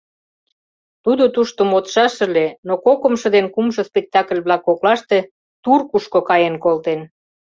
Тудо тушто модшаш ыле, но кокымшо ден кумшо спектакль-влак коклаште Туркушко каен колтен.